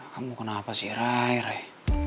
kamu kenapa sih ray ray